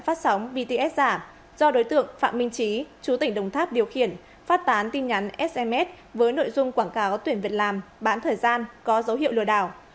phát sóng bts giả do đối tượng phạm minh trí chú tỉnh đồng tháp điều khiển phát tán tin nhắn sms với nội dung quảng cáo tuyển việc làm bán thời gian có dấu hiệu lừa đảo